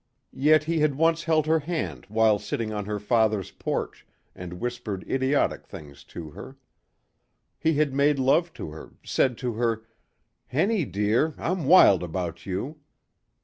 Yet he had once held her hand while sitting on her father's porch and whispered idiotic things to her. He had made love to her, said to her, "Henny dear, I'm wild about you."